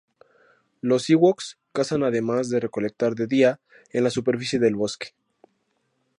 Los ewoks cazan además de recolectar de día en la superficie del bosque.